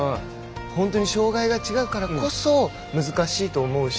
本当に障がいが違うからこそ難しいと思うし。